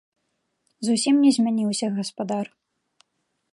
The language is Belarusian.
Зусім не змяніўся гаспадар.